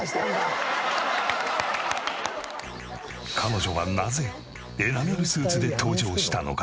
彼女はなぜエナメルスーツで登場したのか？